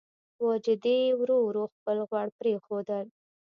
واجدې ورو ورو خپل غوړ پرېښودل.